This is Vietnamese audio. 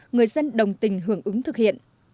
người dân đồng tình hưởng ứng thực hiện